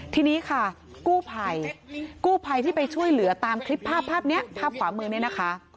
ทีนี้ค่ะกู้ไพที่ไปช่วยเหลือตามคลิปภาพภาพขวามือนะคะ